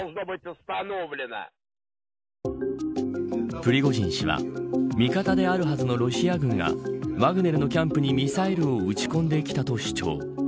プリゴジン氏は味方であるはずのロシア軍がワグネルのキャンプにミサイルを撃ち込んできたと主張。